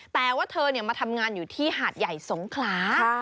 แต่ว่าเธอมาทำงานอยู่ที่หาดใหญ่สงขลา